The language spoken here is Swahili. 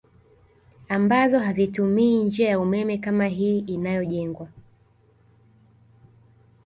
Ambazo hazitumii njia ya umeme kama hii inayojengwa